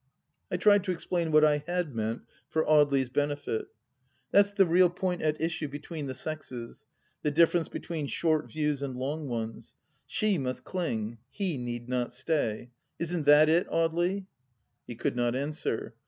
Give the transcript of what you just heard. I tried to explain what I had meant, for Audely's benefit. " That's the real point at issue between the sexes. The difference between short views and long ones. She must cling— fee need not stay. Isn't that it, Audely ?" He could not answer.